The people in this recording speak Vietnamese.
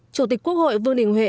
chủ tịch quốc hội vương đình huệ